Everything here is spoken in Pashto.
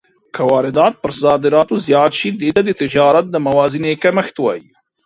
که واردات پر صادراتو زیات شي، دې ته د تجارت د موازنې کمښت وايي.